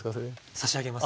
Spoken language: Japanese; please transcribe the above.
差し上げます。